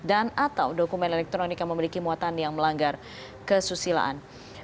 dan atau dokumen elektronik yang memiliki muatan yang melanggar kesusilaan